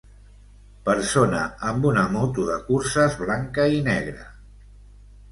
Persona amb una moto de curses blanca i negra